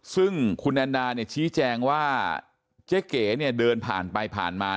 ซึ่งคุณแอนดาชี้แจงว่าเจ๊เก๋เดินผ่านไปผ่านมา